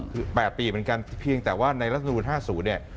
คือ๘ปีเหมือนกันเพียงแต่ว่าในรัฐมนูล๕๐เนี่ย